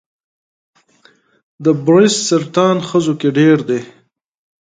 د بریسټ سرطان ښځو کې ډېر دی.